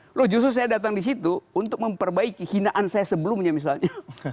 loh justru saya datang di situ untuk memperbaiki hinaan saya sebelumnya misalnya